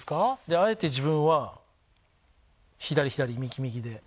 あえて自分は左左右右で。